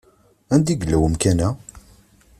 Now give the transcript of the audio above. Anda yella umkan-a?